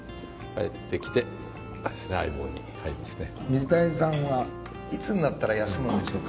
水谷さんはいつになったら休むんでしょうか？